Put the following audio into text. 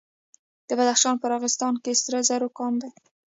د بدخشان په راغستان کې سرو زرو کان دی.